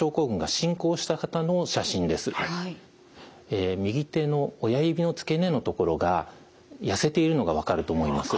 え右手の親指の付け根のところが痩せているのが分かると思います。